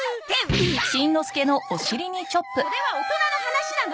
これは大人の話なの！